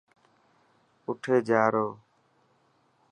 اُٺي جا رو.